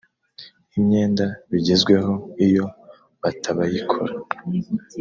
imyenda bigezweho iyo batabayikora